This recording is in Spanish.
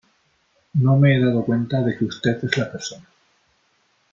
no me he dado cuenta de que usted es la persona